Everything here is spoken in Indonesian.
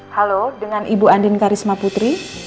halo dengan ibu andin karisma putri